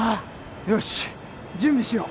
よし準備しよう。